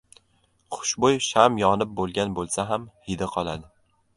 • Xushbo‘y sham yonib bo‘lgan bo‘lsa ham hidi qoladi.